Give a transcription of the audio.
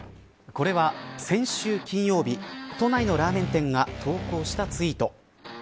これは、先週金曜日都内のラーメン店が投稿したツイート。